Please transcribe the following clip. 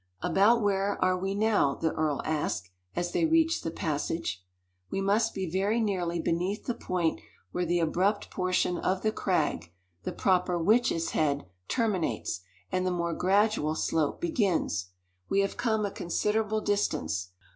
"About where are we now?" the earl asked, as they reached the passage. "We must be very nearly beneath the point where the abrupt portion of the crag the proper Witch's Head terminates, and the more gradual slope begins. We have come a considerable distance.